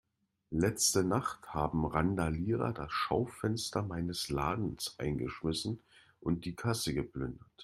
Letzte Nacht haben Randalierer das Schaufenster meines Ladens eingeschmissen und die Kasse geplündert.